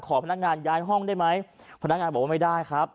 พนักงานย้ายห้องได้ไหมพนักงานบอกว่าไม่ได้ครับ